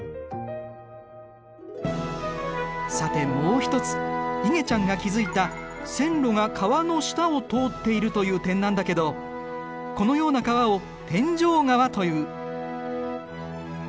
さてもう一ついげちゃんが気付いた線路が川の下を通っているという点なんだけどこのような川を天井川という。